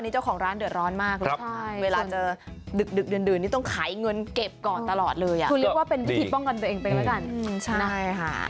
ช่วยกันใช่